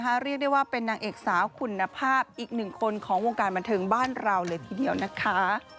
หนังเอกสาวคุณภาพอีกหนึ่งคนของวงการบรรเทิงบ้านเราเลยทีเดียวนะคะ